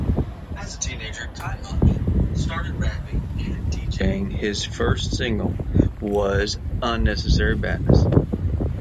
As a teenager, Ky-Mani started rapping and deejaying; his first single was "Unnecessary Badness".